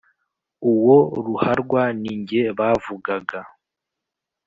uwo ruharwa ninjye bavugaga.